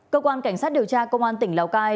cơ quan cảnh sát điều tra công an tỉnh lào cai